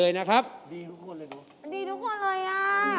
ดีทุกคนเหรอ